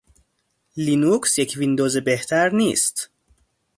لینوکس یک ویندوز بهتر نیست.